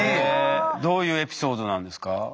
どういうエピソードなんですか？